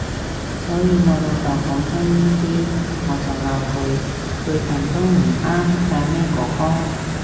所以我老豆講親呢啲我就鬧佢，輩份都唔啱嗌咩哥哥